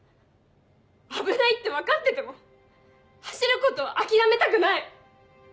危ないって分かってても走ることは諦めたくない！